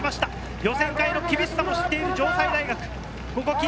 予選会の厳しさを知っている城西。